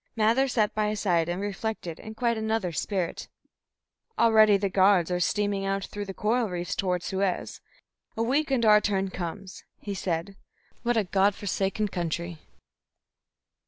Mather sat by his side and reflected in quite another spirit. "Already the Guards are steaming out through the coral reefs toward Suez. A week and our turn comes," he said. "What a God forsaken country!"